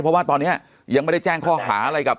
เพราะว่าตอนนี้ยังไม่ได้แจ้งข้อหาอะไรกับ